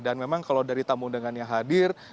dan memang kalau dari tamu undangannya hadir